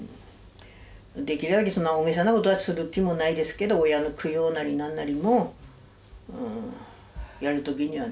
できるだけそんな大げさなことはする気もないですけど親の供養なり何なりもやる時にはね